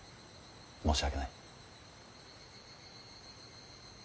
申し訳ない。